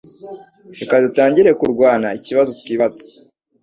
Reka dutangire kurwana ikibazo twibaza